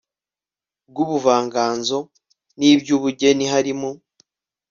rw ubuvanganzo n iby ubugeni harimo